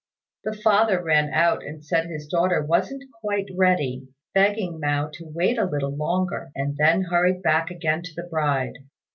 The father ran out and said his daughter wasn't quite ready, begging Mao to wait a little longer; and then hurried back again to the bride.